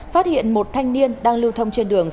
phát hiện một thanh niên đang lưu thông trên đường